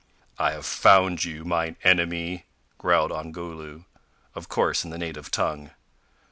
"I have found you, mine enemy," growled Ongoloo of course in the native tongue.